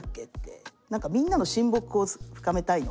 何かみんなの親睦を深めたいのか